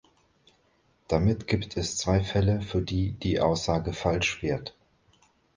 Damit gibt es zwei Fälle, für die die Aussage falsch wird.